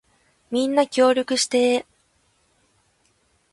みんな協力してー